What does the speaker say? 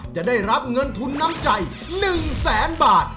จะได้รับเงินทุนน้ำใจ๑แสนบาท